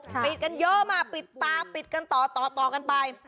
ปิดกันเยอะมากปิดตาปิดกันต่อกันไป